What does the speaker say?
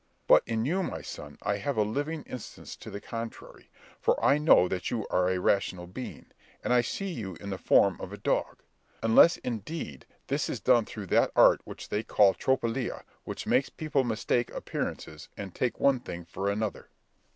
But in you, my son, I have a living instance to the contrary, for I know that you are a rational being, and I see you in the form of a dog; unless indeed this is done through that art which they call Tropelia, which makes people mistake appearances and take one thing for another.